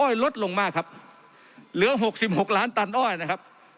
ลดลงมากครับเหลือหกสิบหกล้านตันอ้อยนะครับ